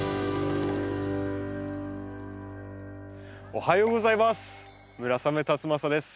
おはようございます。